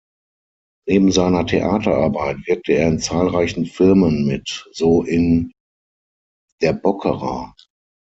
Neben seiner Theaterarbeit wirkte er in zahlreichen Filmen mit, so in "Der Bockerer".